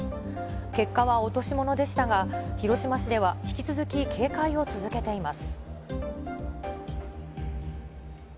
結果は落とし物でしたが、広島市では引き続き警戒を続けています。